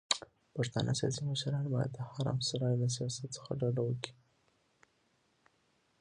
پښتانه سياسي مشران بايد د حرم سرای له سياست څخه ډډه وکړي.